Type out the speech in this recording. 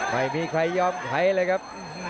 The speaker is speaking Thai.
ไม่มีใครยอมใช้เลยครับ